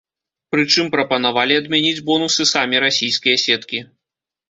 Прычым прапанавалі адмяніць бонусы самі расійскія сеткі.